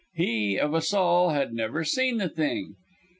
He of us all had never seen the thing.